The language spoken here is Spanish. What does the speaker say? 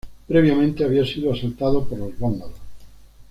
Previamente había sido asaltado por los vándalos.